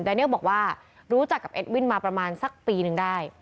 เนลบอกว่ารู้จักกับเอ็ดวินมาประมาณสักปีนึงได้